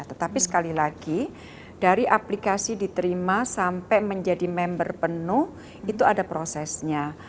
tetapi sekali lagi dari aplikasi diterima sampai menjadi member penuh itu ada prosesnya